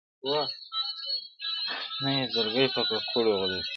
نه یې زرکي په ککړو غولېدلې.